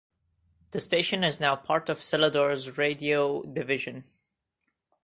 The station is now part of Celador's radio division.